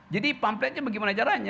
jadi pampletnya bagaimana caranya